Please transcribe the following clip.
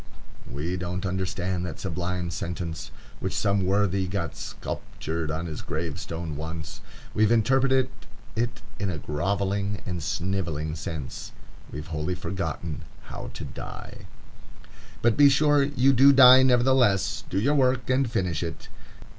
_ We don't understand that sublime sentence which some worthy got sculptured on his gravestone once. We've interpreted it in a grovelling and snivelling sense; we've wholly forgotten how to die. But be sure you do die nevertheless. Do your work, and finish it.